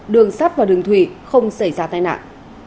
đường sắt và đường thủy không xảy ra tai nạn